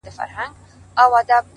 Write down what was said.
ماته اوس هم راځي حال د چا د ياد،